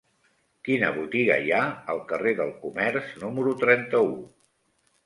Quina botiga hi ha al carrer del Comerç número trenta-u?